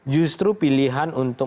justru pilihan untuk